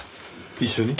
一緒に？